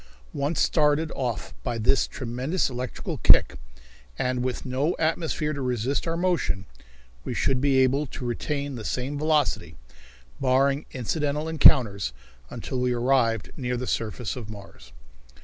Once started off by this tremendous electrical kick, and with no atmosphere to resist our motion, we should be able to retain the same velocity, barring incidental encounters, until we arrived near the surface of Mars.